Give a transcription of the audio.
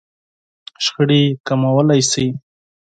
-شخړې کموالی شئ